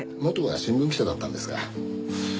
元は新聞記者だったんですが。